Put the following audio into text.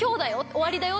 終わりだよ」。